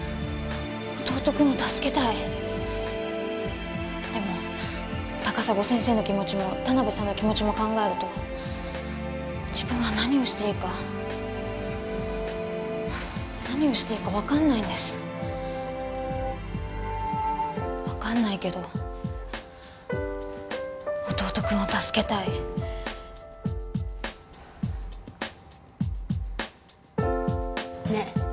弟君を助けたいでも高砂先生の気持ちも田辺さんの気持ちも考えると自分は何をしていいか何をしていいか分かんないんです分かんないけど弟君を助けたいねえ